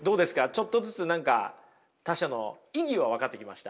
ちょっとずつ何か他者の意味は分かってきました？